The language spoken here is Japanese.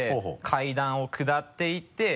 階段を下っていって。